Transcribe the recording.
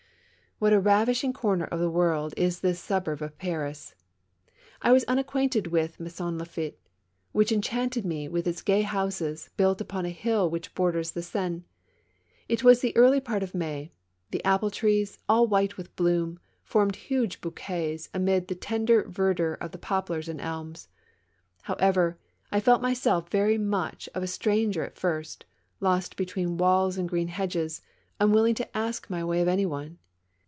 What a ravishing comer of the world is this suburb of Paris! I was unacquainted with Maisons Laffitte, which enchanted me, with its gay houses, built upon a hill which borders the Seine. It was the early part of May; the apple trees, all white with bloom, formed huge bouquets amid the tender verdure of the poplars and elms. However, I felt myself very much of a stranger at first, lost between walls and green hedges, unwilling to ask my way of any one.